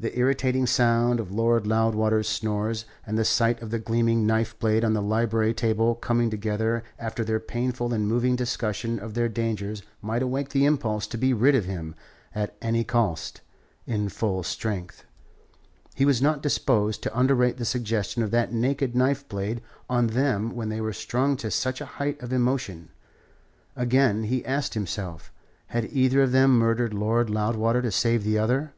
The irritating sound of Lord Loudwater's snores and the sight of the gleaming knife blade on the library table coming together after their painful and moving discussion of their dangers might awake the impulse to be rid of him, at any cost, in full strength. He was not disposed to underrate the suggestion of that naked knife blade on them when they were strung to such a height of emotion. Again, he asked himself, had either of them murdered Lord Loudwater to save the other?